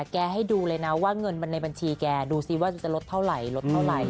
ให้ดูเลยนะว่าเงินมันในบัญชีแกดูสิว่าจะลดเท่าไหร่ลดเท่าไหร่